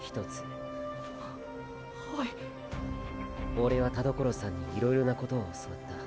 オレは田所さんにいろいろなことを教わった。